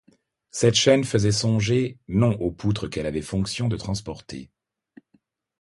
Cette chaîne faisait songer, non aux poutres qu'elle avait fonction de transporter.